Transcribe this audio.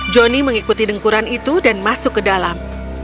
joni mengikuti dengkuran itu dan masuk ke dalam